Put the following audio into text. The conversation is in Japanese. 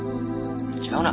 違うな。